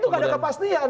itu nggak ada kepastian